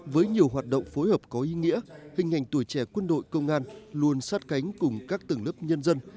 với nhiều hoạt động phối hợp có ý nghĩa hình ảnh tuổi trẻ quân đội công an luôn sát cánh cùng các tầng lớp nhân dân